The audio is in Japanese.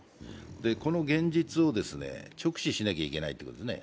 この現実を直視しなきゃいけないってことですね。